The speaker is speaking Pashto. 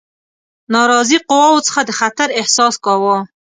ناراضي قواوو څخه د خطر احساس کاوه.